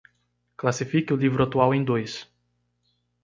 Classifique o livro atual em dois